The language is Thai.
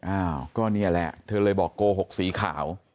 อ้าวก็นี่แหละเธอเลยบอกโกหกสีขาว